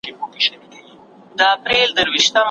خدای به یې کله عرضونه واوري